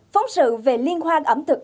phóng sự về liên hoan ẩm thực